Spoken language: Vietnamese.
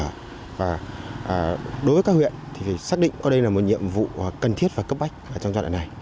đối với các huyện xác định có đây là một nhiệm vụ cần thiết và cấp bách trong trận này